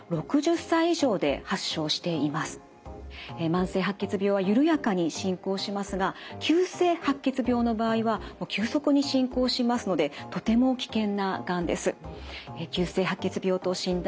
慢性白血病は緩やかに進行しますが急性白血病の場合は急速に進行しますのでとても危険ながんです。